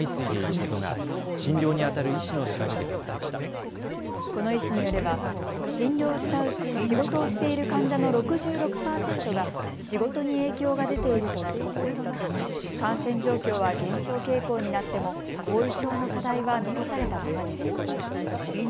この医師によれば診療したうち仕事をしている患者の６６％が仕事に影響が出ているということで感染状況は減少傾向になっても後遺症の課題は残されたままです。